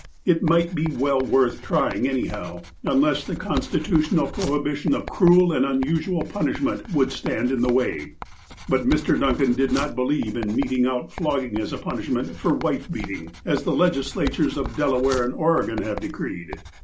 It might be well worth trying anyhow, unless the con stitutional prohibition of cruel and unusual punishment would stand in the way. But Mr. Duncan did not believe in meting out flogging as a punishment for wife beating, as the legislatures of Delaware and Oregon have decreed.